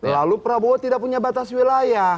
lalu prabowo tidak punya batas wilayah